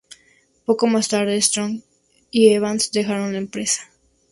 Poco más tarde, Strong y Evans dejaron la empresa.